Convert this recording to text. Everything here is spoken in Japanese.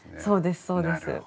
そうですそうです。